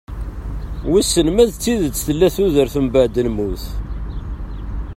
Wissen ma d tidet tella tudert umbaɛd lmut?